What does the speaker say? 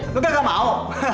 enggak gak mau